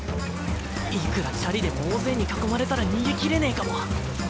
いくらチャリでも大勢に囲まれたら逃げきれねぇかも。